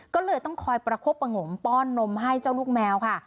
ก็เลยต้องคอยประคบประงมป้อนนมให้เจ้าลูกแมวค่ะ